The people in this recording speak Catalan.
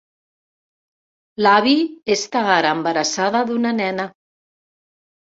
L"Abby està ara embarassada d'una nena.